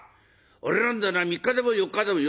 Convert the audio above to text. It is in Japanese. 俺なんざな３日でも４日でも」。